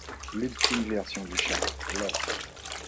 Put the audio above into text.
L'ultime version du char, l'ausf.